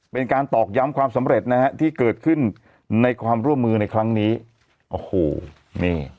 ตอกย้ำความสำเร็จนะฮะที่เกิดขึ้นในความร่วมมือในครั้งนี้โอ้โหนี่